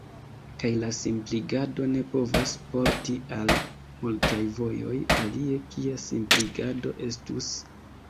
Kaj la simpligado ne povas porti al multaj vojoj, alie kia simpligado estus?